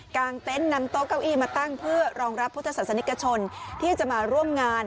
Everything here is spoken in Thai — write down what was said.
งเต็นต์นำโต๊ะเก้าอี้มาตั้งเพื่อรองรับพุทธศาสนิกชนที่จะมาร่วมงาน